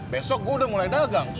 besok gue udah mulai dagang